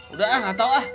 udah lah gak tau lah